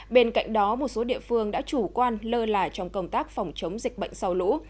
bên cạnh đó một số địa phương đã chủ quan lơ là trong công tác phòng chống dịch bệnh sau lũ